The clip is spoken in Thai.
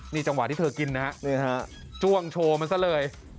นี่จังหวะที่เธอกินนะฮะจ้วงโชว์มันซะเลย